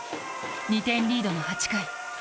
２点リードの８回。